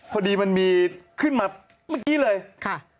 พอดีมันมีขึ้นมาเมื่อกี้เลยค่ะ